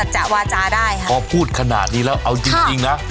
เค้าพูดขนาดนี้แล้วเอาจริงนะ